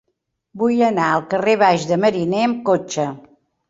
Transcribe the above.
Vull anar al carrer Baix de Mariner amb cotxe.